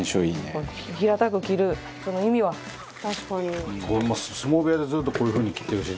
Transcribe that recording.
豊ノ島：相撲部屋で、ずっとこういう風に切ってるし。